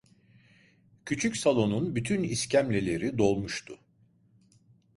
Küçük salonun bütün iskemleleri dolmuştu.